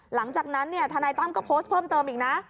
หลังจากนั้นทนายตั้มก็โพสต์เพิ่มเติมอีกนะ